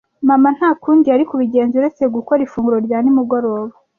Mama nta kundi yari kubigenza uretse gukora ifunguro rya nimugoroba.